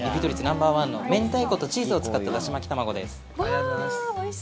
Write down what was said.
ナンバーワンの明太子とチーズを使っただし巻き卵です。